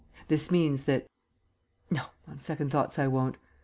This means that No, on second thoughts I won't.